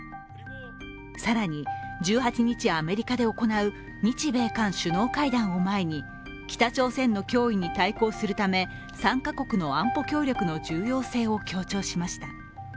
更に、１８日アメリカで行う日米韓首脳会談を前に北朝鮮の脅威に対抗するため参加国の安保協力の重要性を強調しました。